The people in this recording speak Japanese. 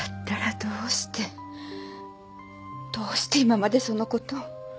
どうして今までその事を。